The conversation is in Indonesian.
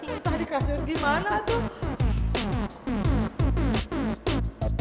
entah di kasur gimana tuh